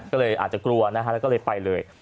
ก็เลยอาจจะกลัวนะฮะแล้วก็เลยไปเลย